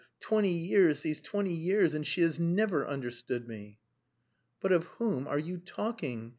Twenty years, these twenty years, and she has never understood me!" "But of whom are you talking?